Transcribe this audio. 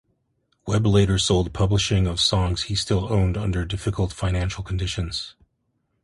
Webb later sold publishing of songs he still owned under difficult financial conditions.